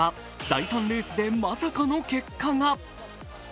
第３レースでまさかの結果が。